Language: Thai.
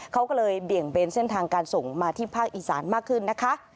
เขาก็เลยเบี่ยงเบนเส้นทางการส่งมาที่ภาคอีสานมากขึ้นนะคะ